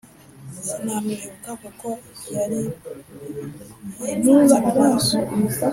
Sinamwibuka kuko yariyipfutse mumaso